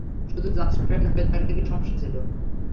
শুধু just friend হয়ে থাকলে কী সমস্যা ছিল?